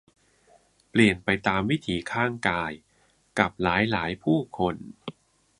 เปลี่ยนไปตามวิถีข้างกาย กับหลาย หลายผู้คน